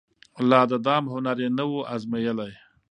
لا د دام هنر یې نه وو أزمېیلی